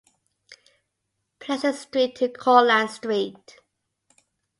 Pleasant Street to Courtland Street.